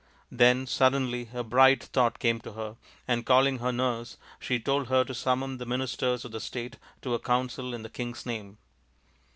Then, suddenly, a bright thought came to her, and, calling her nurse, she told her to summon the ministers of state to a council in the king's name.